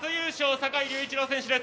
坂井隆一郎選手です。